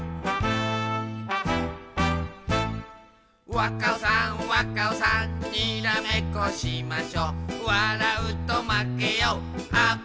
わっカオさんわっカオさんにらめっこしましょわらうとまけよあっ